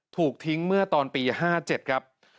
ถูกทิ้งเมื่อตอนปี๕๗ครับ